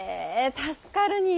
助かるにぃ。